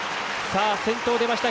先頭、出ました。